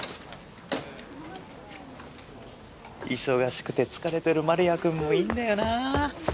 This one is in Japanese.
忙しくて疲れてる丸谷くんもいいんだよなあ。